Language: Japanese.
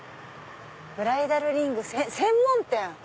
「ブライダルリング専門店」